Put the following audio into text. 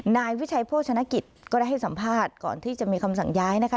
นายวิชัยโภชนกิจก็ได้ให้สัมภาษณ์ก่อนที่จะมีคำสั่งย้ายนะคะ